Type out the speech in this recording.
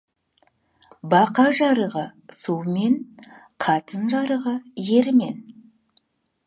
Бақа жарығы суымен, қатын жарығы ерімен.